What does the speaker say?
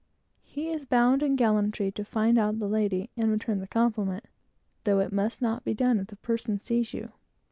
He is bound in gallantry to find out the lady and return the compliment, though it must not be done if the person sees you.